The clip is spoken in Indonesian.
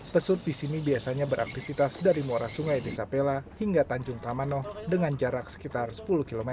pesut di sini biasanya beraktivitas dari muara sungai desa pela hingga tanjung tamanoh dengan jarak sekitar sepuluh km